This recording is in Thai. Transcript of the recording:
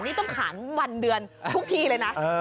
นี่ต้องขานวันเดือนทุกทีเลยนะ